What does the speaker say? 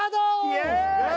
イエーイ！